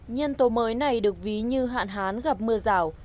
nhân tố mới này được ví như hạn hán gặp mưa rào